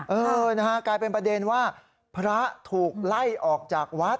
เออนะฮะกลายเป็นประเด็นว่าพระถูกไล่ออกจากวัด